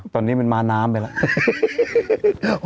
ตอนนี้มันม้าน้ำไปแล้ว